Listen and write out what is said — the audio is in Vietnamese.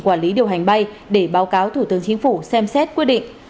quản lý điều hành bay để báo cáo thủ tướng chính phủ xem xét quyết định